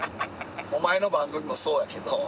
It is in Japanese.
お前の番組もそうやけど。